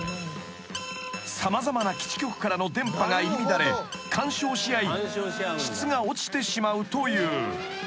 ［様々な基地局からの電波が入り乱れ干渉し合い質が落ちてしまうという］